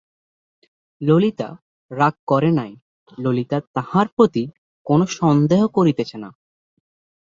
ললিতা রাগ করে নাই, ললিতা তাহার প্রতি কোনো সন্দেহ করিতেছে না।